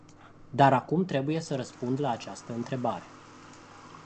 Dar acum trebuie să răspund la această întrebare.